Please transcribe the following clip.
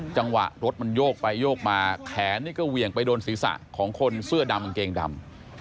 จังหวะรถมันโยกไปโยกมาแขนนี่ก็เหวี่ยงไปโดนศีรษะของคนเสื้อดำกางเกงดำ